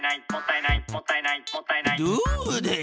どうだい？